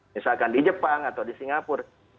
misalkan di jepang atau di singapura